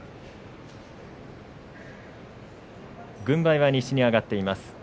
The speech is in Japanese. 軍配は西に上がっています。